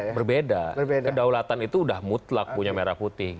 berbeda kedaulatan itu udah mutlak punya merah putih